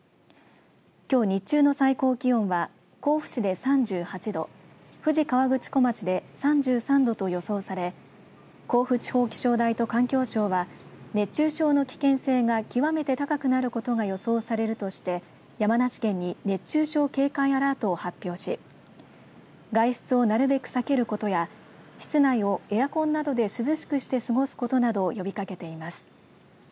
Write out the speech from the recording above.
きょう日中の最高気温は甲府市で３８度富士河口湖町で３３度と予想され甲府地方気象台と環境省は熱中症の危険性が極めて高くなることが予想されるとして山梨県に熱中症警戒アラートを発表し外出をなるべく避けることや室内をエアコンなどで涼しくして過ごすことなどを呼びかけています。